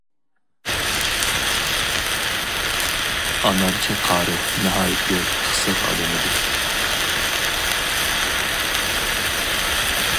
ئانارچى قارى ناھايىتى پىخسىق ئادەم ئىدى.